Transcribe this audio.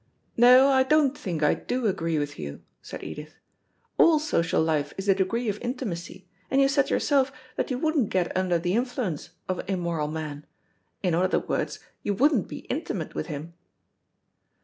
"No, I don't think I do agree with you," said Edith. "All social life is a degree of intimacy, and you said yourself that you wouldn't get under the influence of an immoral man in other words, you wouldn't be intimate with him."